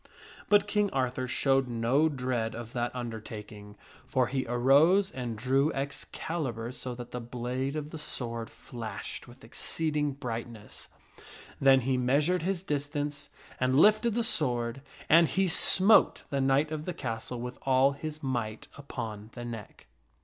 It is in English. But King Arthur showed no dread of that undertaking, for he arose and drew Excalibur so that the blade of the sword flashed King Arthur .,,..*' cuts off the head with exceeding brightness. Then he measured his distance, and lifted the sword, and he smote the knight of the castle with all his might upon the neck.